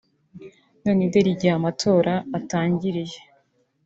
none dore igihe amatora atangiriye